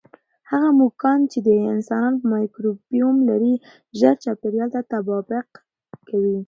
هغه موږکان چې د انسان مایکروبیوم لري، ژر چاپېریال ته تطابق کوي.